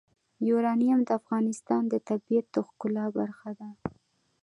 یورانیم د افغانستان د طبیعت د ښکلا برخه ده.